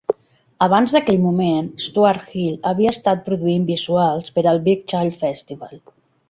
Abans d'aquell moment, Stuart Hill havia estat produint visuals per al Big Chill Festival.